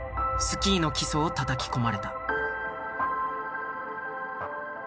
スキーの基礎をたたき込まれた。